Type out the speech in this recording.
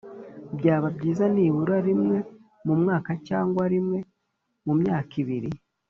Byaba byiza nibura rimwe mu mwaka cyangwa rimwe mu myaka ibiri